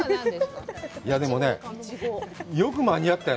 でもね、よく間に合ったよ。